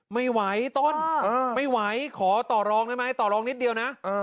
ไม่ไหวต้นไม่ไหวขอต่อรองได้ไหมต่อรองนิดเดียวนะ